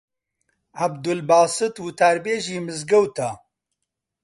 عەبدولباست وتاربێژی مزگەوتە